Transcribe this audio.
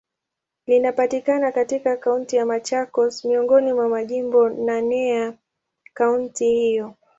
Linapatikana katika Kaunti ya Machakos, miongoni mwa majimbo naneya kaunti hiyo.